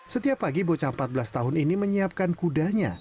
setiap pagi bocah empat belas tahun ini menyiapkan kudanya